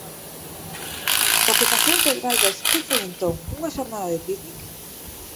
O que pasou en Pedralbes que foi entón unha xornada de pícnic?